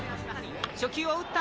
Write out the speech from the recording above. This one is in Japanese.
初球を打った。